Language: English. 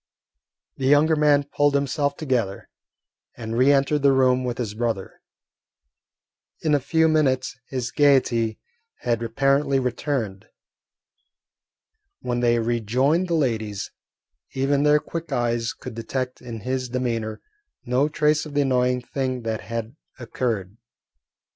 The younger man pulled himself together, and re entered the room with his brother. In a few minutes his gaiety had apparently returned. When they rejoined the ladies, even their quick eyes could detect in his demeanour no trace of the annoying thing that had occurred.